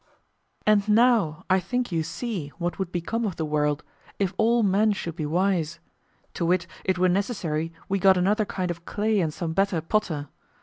And now I think you see what would become of the world if all men should be wise; to wit it were necessary we got another kind of clay and some better potter.